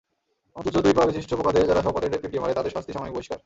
অথচ দুই পা-বিশিষ্ট পোকাদের যারা সহপাঠীদের পিটিয়ে মারে, তাদের শাস্তি সাময়িক বহিষ্কার।